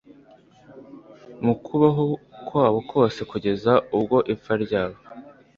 mu kubaho kwabo kose kugeza ubwo ipfa ryabo